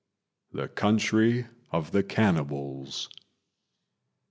THE COUNTRY OF THE CANNIBALS.